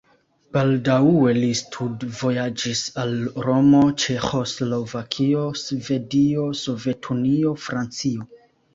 Baldaŭe li studvojaĝis al Romo, Ĉeĥoslovakio, Svedio, Sovetunio, Francio.